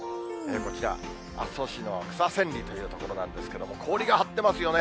こちら、阿蘇市草千里という所なんですけれども、氷が張っていますよね。